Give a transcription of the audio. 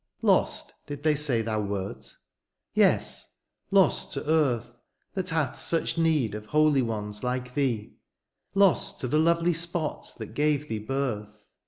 Lost did they say thou wert ? Yes, lost to earth. That hath such need of holy ones like thee ; Lost to the lovely spot that gave thee birth